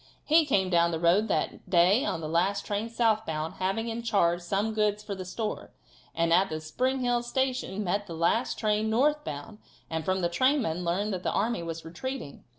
He came down the road that day on the last train southbound, having in charge some goods for the store, and at the Spring Hill station met the last train northbound, and from the trainmen learned that the army was retreating.